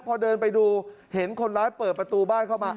พอเดินไปดูเห็นคนร้ายเปิดประตูบ้านเข้ามา